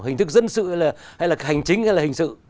hình thức dân sự là hay là hành chính hay là hình sự